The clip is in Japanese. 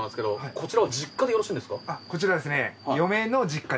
こちらはですね。